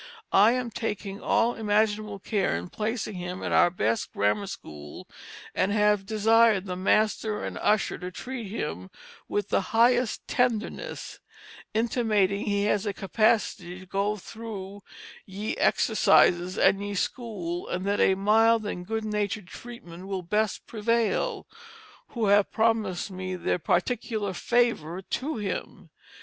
I am taking all Imaginable Care in Placing him at our best Grammar School and have desir'd the Master and Usher to treat him with the highest Tenderness, Intimating he has a Capacity to go thro ye Exercises of ye School & that a Mild and good Natur'd Treatment will best prevail; who have promised me their Pticular favour to him."